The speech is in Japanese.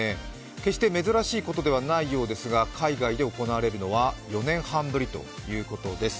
決して珍しいことのようではないようですが、海外で行われるのは４年半ぶりということです。